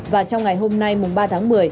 và trong ngày hôm nay ba tháng một mươi